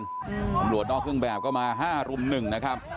อำรวจนอกกึ่งแบบก็มา๕รุ่ม๑นะครับ